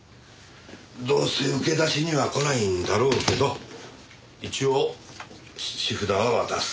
どうせ受け出しには来ないんだろうけど一応質札は渡す。